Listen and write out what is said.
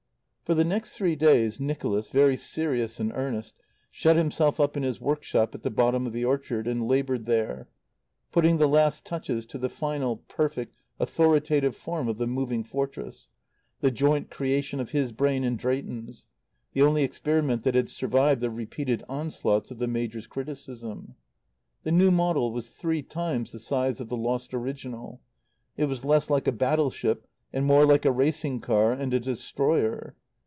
For the next three days, Nicholas, very serious and earnest, shut himself up in his workshop at the bottom of the orchard and laboured there, putting the last touches to the final, perfect, authoritative form of the Moving Fortress, the joint creation of his brain and Drayton's, the only experiment that had survived the repeated onslaughts of the Major's criticism. The new model was three times the size of the lost original; it was less like a battleship and more like a racing car and a destroyer.